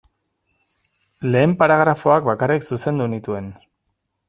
Lehen paragrafoak bakarrik zuzendu nituen.